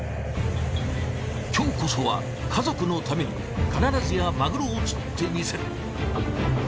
今日こそは家族のために必ずやマグロを釣ってみせる！